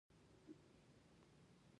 پیلوټ د ملکي الوتنو مهم عنصر دی.